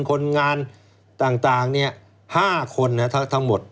คนงานต่างเนี่ย๕คนนะทั้งหมด